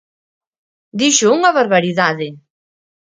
¡Dixo unha barbaridade!